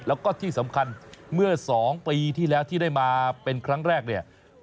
แล้วก็ที่สำคัญเมื่อ๒ปีที่แล้วที่ได้มาเป็นครั้งแรกเนี่ย